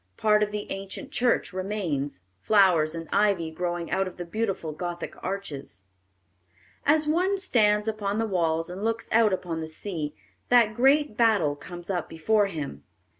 Part of the ancient church remains, flowers and ivy growing out of the beautiful gothic arches. As one stands upon the walls and looks out upon the sea, that great battle comes up before him.